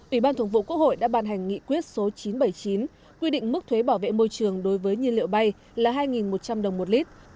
ubthqh đã ban hành nghị quyết số chín trăm bảy mươi chín quy định mức thuế bảo vệ môi trường đối với nhân liệu bay là hai một trăm linh đồng một lít